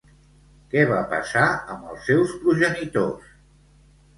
Què va passar amb els seus progenitors?